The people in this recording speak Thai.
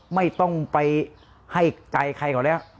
ไม่ต้องไปให้ใจใครเขาแล้ว